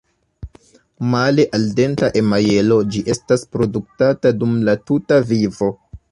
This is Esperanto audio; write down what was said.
Male al denta emajlo, ĝi estas produktata dum la tuta vivo.